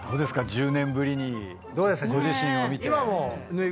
１０年ぶりにご自身を見て。